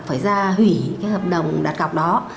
phải ra hủy hợp đồng đặt cọc đó